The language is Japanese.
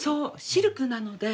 シルクなので。